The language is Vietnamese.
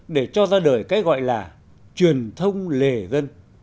để cho ra đời cái gọi là truyền thông lề dân